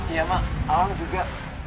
iya mak awang juga